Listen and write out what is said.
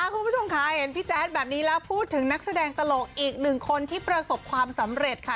คุณผู้ชมค่ะเห็นพี่แจ๊ดแบบนี้แล้วพูดถึงนักแสดงตลกอีกหนึ่งคนที่ประสบความสำเร็จค่ะ